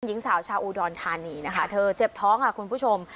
หญิงสาวชาวอูดรทานีเธอเจ็บท้องคุณผู้ชม